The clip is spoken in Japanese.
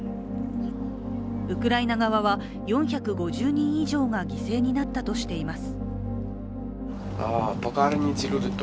ウクライナ側は４５０人以上が犠牲になったとしています。